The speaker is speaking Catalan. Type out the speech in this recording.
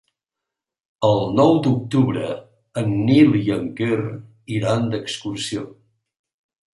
El nou d'octubre en Nil i en Quer iran d'excursió.